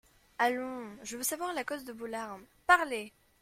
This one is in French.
Allons, je veux savoir la cause de vos larmes, parlez !